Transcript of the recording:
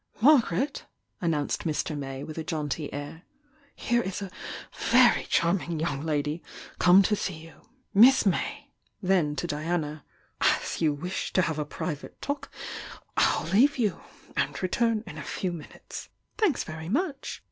"Margaret," announced Mr. May, with a jaunty air — "Here is a very charming young lady come to see you— Miss May!" Then to Diana: "As you wish to have a private talk, I'll leave you, and re turn in a few minutes." "Thanks very much!"